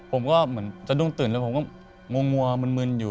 ผมก็เหมือนสะดุ้งตื่นแล้วผมก็งัวมึนอยู่